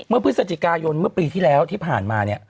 เมื่อพฤศจิกายนเมื่อปีที่แล้วที่ผ่านมา